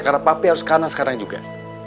karena papi harus kanan sekarang juga